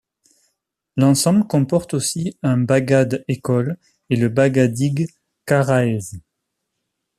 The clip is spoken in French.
L'ensemble comporte aussi un bagad école, le Bagadig Karaez.